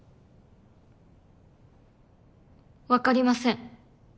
わかりません。